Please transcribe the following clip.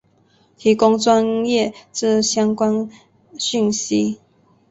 提供专业之相关讯息